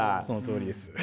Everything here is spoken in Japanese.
そのとおりです。